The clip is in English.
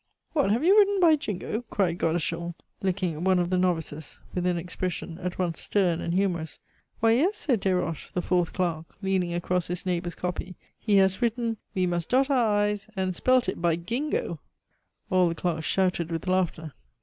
"What! have you written by Jingo?" cried Godeschal, looking at one of the novices, with an expression at once stern and humorous. "Why, yes," said Desroches, the fourth clerk, leaning across his neighbor's copy, "he has written, 'We must dot our i's' and spelt it by Gingo!" All the clerks shouted with laughter.